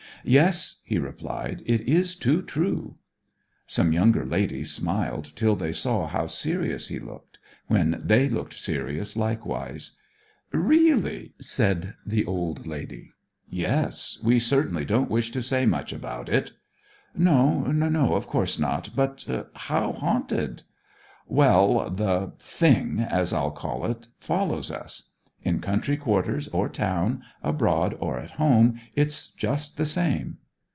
'Yes,' he replied, 'it is too true.' Some younger ladies smiled till they saw how serious he looked, when they looked serious likewise. 'Really?' said the old lady. 'Yes. We naturally don't wish to say much about it.' 'No, no; of course not. But how haunted?' 'Well; the thing, as I'll call it, follows us. In country quarters or town, abroad or at home, it's just the same.'